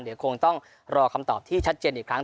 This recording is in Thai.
เดี๋ยวคงต้องรอคำตอบที่ชัดเจนอีกครั้ง